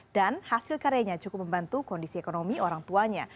dan hasil karyanya cukup membantu kondisi ekonomi orang tuanya